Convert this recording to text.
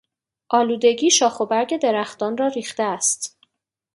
آلودگی شاخ و برگ درختان را ریخته است.